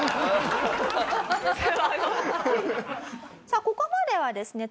さあここまではですね